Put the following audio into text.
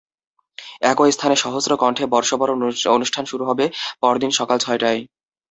একই স্থানে সহস্র কণ্ঠে বর্ষবরণ অনুষ্ঠান শুরু হবে পরদিন সকাল ছয়টায়।